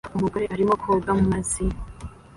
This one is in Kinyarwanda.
Umugore arimo koga mu mazi